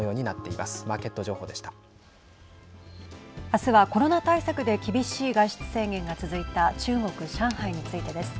あすは、コロナ対策で厳しい外出制限が続いた中国、上海についてです。